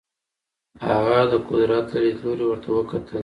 هغه د قدرت له لیدلوري ورته وکتل.